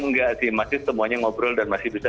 enggak sih masih semuanya ngobrol dan masih bisa